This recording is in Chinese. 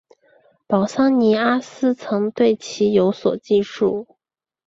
保桑尼阿斯曾对其有所记述。